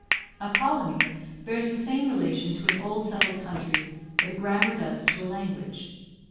A colony bears the same relation to an old settled country that a grammar does to a language.